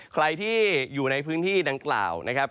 ใครที่อยู่ในพื้นที่ดังกล่าวนะครับ